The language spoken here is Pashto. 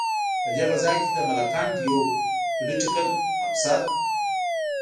په دې غزا کې د ملکنډ یو پلوټیکل افسر.